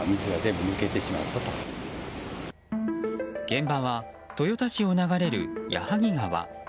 現場は豊田市を流れる矢作川。